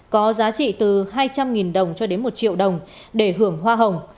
có giá trị từ hai trăm linh đồng cho đến một triệu đồng để hưởng hoa hồng